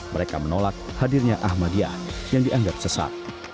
mereka menolak hadirnya ahmadiyah yang dianggap sesat